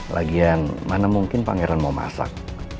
lagian mana mungkin pangeran mau masak